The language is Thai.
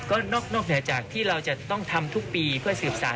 ก็นอกเหนือจากที่เราจะต้องทำทุกปีเพื่อสืบสาร